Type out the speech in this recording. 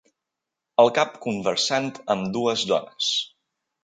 El cap conversant amb dues dones.